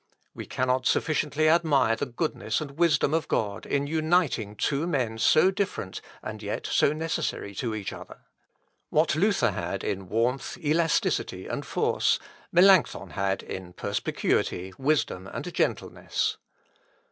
We cannot sufficiently admire the goodness and wisdom of God in uniting two men so different, and yet so necessary to each other. What Luther had in warmth, elasticity, and force, Melancthon had in perspicuity, wisdom, and gentleness.